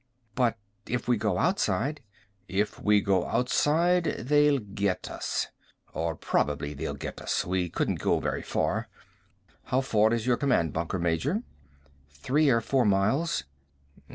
"But if we go outside " "If we go outside they'll get us. Or probably they'll get us. We couldn't go very far. How far is your command bunker, Major?" "Three or four miles."